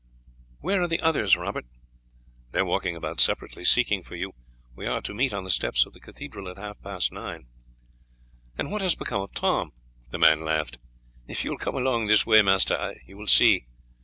"Where are the others, Robert?" "They are walking about separately seeking for you. We are to meet on the steps of the cathedral at half past nine." "What has become of Tom?" The man laughed. "If you will come along this way, master, you will see."